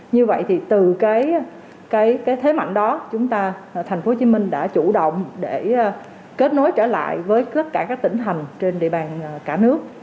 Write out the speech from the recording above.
như vậy thì từ cái thế mạnh đó thành phố hồ chí minh đã chủ động để kết nối trở lại với tỉnh thành trên địa bàn cả nước